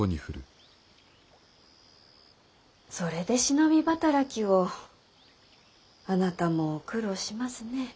それで忍び働きをあなたも苦労しますね。